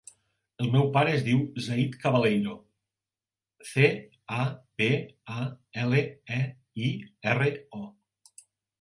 El meu pare es diu Zayd Cabaleiro: ce, a, be, a, ela, e, i, erra, o.